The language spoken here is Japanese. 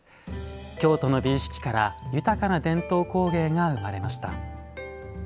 京都の美意識から豊かな伝統工芸が生まれました。